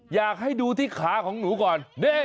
อยากให้ดูที่ขาของหนูก่อน